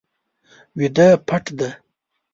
ویده پټ دی